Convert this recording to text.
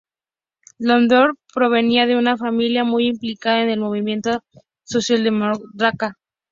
Landauer provenía de una familia muy implicada en el movimiento socialdemócrata.